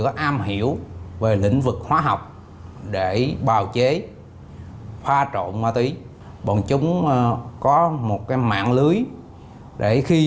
có am hiểu về lĩnh vực hóa học để bào chế pha trộn ma túy bọn chúng có một cái mạng lưới để khi